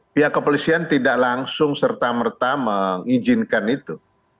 pihak kepolisian tidak langsung serta merta mengizinkan itu